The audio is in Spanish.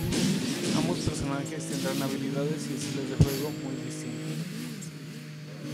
Ambos personajes tendrán habilidades y estilos de juego muy distintos.